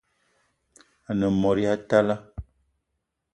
A-ne mot ya talla